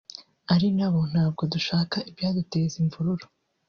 ari nabo ntabwo dushaka ibyaduteza imvururu